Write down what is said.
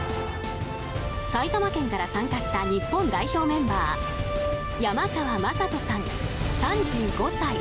埼玉県から参加した日本代表メンバー山川雅都さん、３５歳。